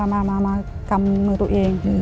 มากำมือตัวเอง